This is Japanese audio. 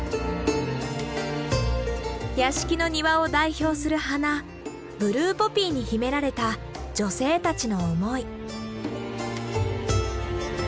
屋敷の庭を代表する花ブルーポピーに秘められた女性たちの思い。